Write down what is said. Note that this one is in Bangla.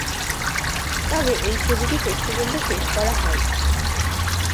তবে এই ছবিটি শেষ পর্যন্ত শেষ করা হয়নি।